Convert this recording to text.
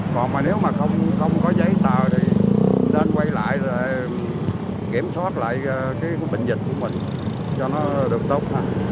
còn mà nếu mà không có giấy tờ thì nên quay lại để kiểm soát lại cái bệnh dịch của mình cho nó được tốt lắm